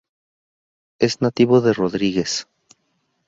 Es nativo de Rodrigues